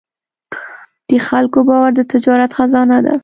د خلکو باور د تجارت خزانه ده.